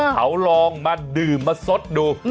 เขาลองมาดื่มมาสดดู